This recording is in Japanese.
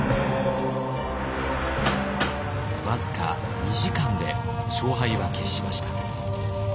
僅か２時間で勝敗は決しました。